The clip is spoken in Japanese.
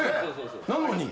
なのに？